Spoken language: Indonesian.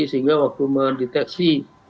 sehingga waktu mendeteksi